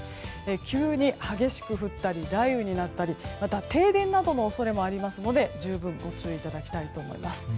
急に激しく降ったり雷雨になったりまた、停電などの恐れもありますので十分、ご注意いただきたいと思います。